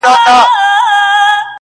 په هغه ګړي قیامت وو ما لیدلی -